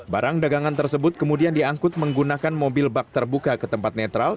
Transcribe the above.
barang dagangan tersebut kemudian diangkut menggunakan mobil bak terbuka ke tempat netral